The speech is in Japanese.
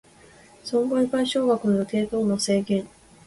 損害賠償額の予定等の制限